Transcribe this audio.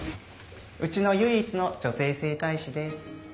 うちの唯一の女性整体師です。